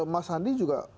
mas sandi juga